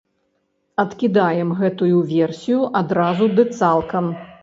Адкідаем гэтую версію адразу ды цалкам.